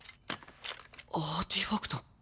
アーティファクト。